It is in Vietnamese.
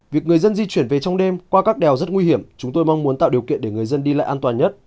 việc người dân di chuyển về trong đêm qua các đèo rất nguy hiểm chúng tôi mong muốn tạo điều kiện để người dân đi lại an toàn nhất